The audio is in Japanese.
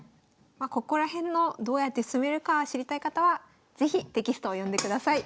ここら辺のどうやって進めるか知りたい方は是非テキストを読んでください。